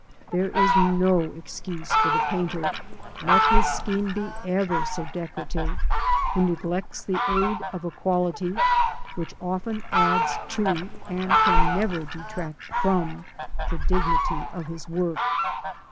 There is no excuse for the painter, let his scheme be ever so decorative, who neglects the aid of a quality which often adds to, and can never detract from, the dignity of his work.